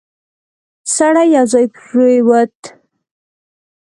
سړی یو ځای پرېووت.